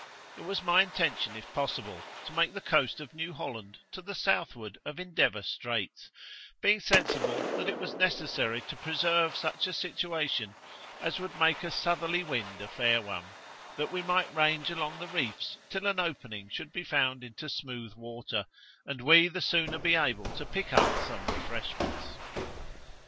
It was my intention, if possible, to make the coast of New Holland to the southward of Endeavour Straits, being sensible that it was necessary to preserve such a situation as would make a southerly wind a fair one; that we might range along the reefs till an opening should be found into smooth water, and we the sooner be able to pick up some refreshments.'